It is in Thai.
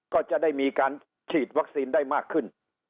ก็จะได้มีการฉีดวัคซีนได้มากขึ้น